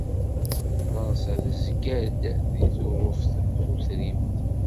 Fransa tezga-d deg Turuft tutrimt.